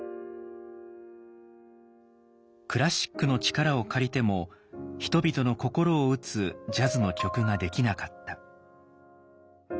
クラシックの力を借りても人々の心を打つジャズの曲ができなかった。